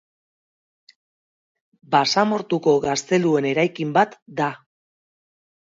Basamortuko gazteluen eraikin bat da.